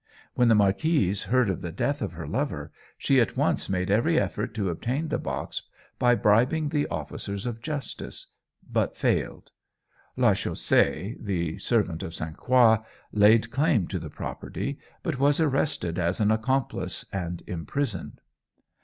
When the marquise heard of the death of her lover, she at once made every effort to obtain the box by bribing the officers of justice, but failed. La Chaussée, the servant of St. Croix, laid claim to the property, but was arrested as an accomplice and imprisoned.